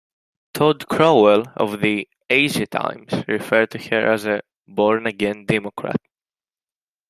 Todd Crowell of the "Asia Times" referred to her as a "born-again democrat".